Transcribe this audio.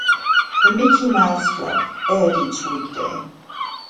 The "Mickey Mouse Club" aired each weekday.